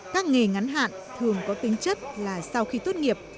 các nghề ngắn hạn thường có tính chất là sau khi tốt nghiệp